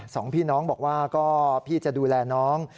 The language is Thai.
สองพี่น้องบอกว่าก็พี่จะดูแลน้อง